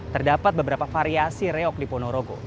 terdapat beberapa variasi reok di ponorogo